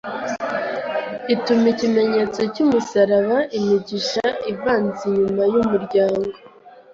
ituma Ikimenyetso cyumusaraba imigisha ivanze inyuma yumuryango